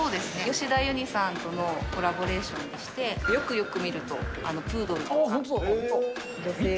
吉田ユニさんとのコラボレーションでして、よくよく見ると、本当だ、へー。